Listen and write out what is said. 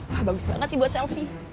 wah bagus banget dibuat selfie